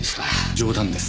冗談です。